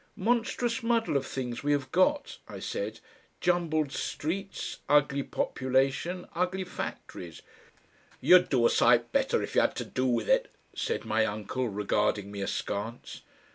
"Monstrous muddle of things we have got," I said, "jumbled streets, ugly population, ugly factories " "You'd do a sight better if you had to do with it," said my uncle, regarding me askance.